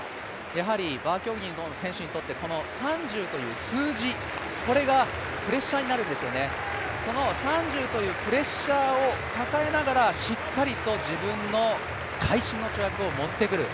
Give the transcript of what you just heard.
やはりバー競技の選手にとって３０という数字がプレッシャーになるんですよね、３０というプレッシャーを抱えながらしっかりと自分の会心の跳躍を持ってくる。